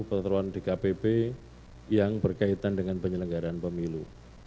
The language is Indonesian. peraturan dkpp yang berkaitan dengan penyelenggaran pemilu